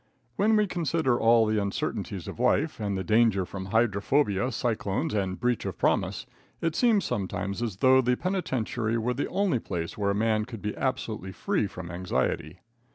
When we consider all the uncertainties of life, and the danger from hydrophobia, cyclones and breach of promise, it seems sometimes as though the penitentiary was the only place where a man could be absolutely free from anxiety.